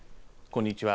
こんにちは。